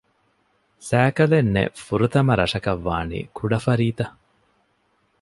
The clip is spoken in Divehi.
ސައިކަލެއް ނެތް ފުރަތަމަ ރަށަކަށް ވާނީ ކުޑަފަރީތަ؟